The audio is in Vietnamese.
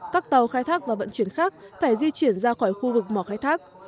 các tàu khai thác và vận chuyển khác phải di chuyển ra khỏi khu vực mỏ khai thác